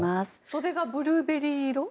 袖がブルーベリー色？